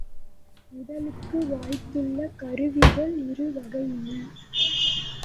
உடலுக்கு வாய்த்துள்ள கருவிகள் இரு வகையின.